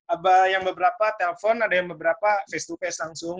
ada yang beberapa telpon ada yang beberapa face to face langsung